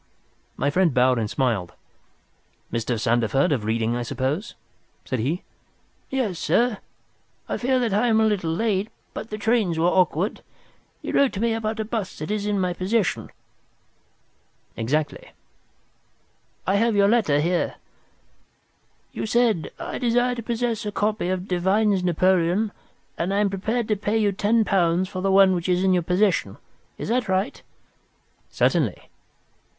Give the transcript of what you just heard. My friend bowed and smiled. "Mr. Sandeford, of Reading, I suppose?" said he. "Yes, sir, I fear that I am a little late, but the trains were awkward. You wrote to me about a bust that is in my possession." "Exactly." "I have your letter here. You said, 'I desire to possess a copy of Devine's Napoleon, and am prepared to pay you ten pounds for the one which is in your possession.' Is that right?" "Certainly."